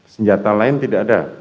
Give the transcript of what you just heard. senjata lain tidak ada